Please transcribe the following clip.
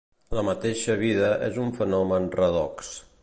La mateixa vida és un fenomen redox.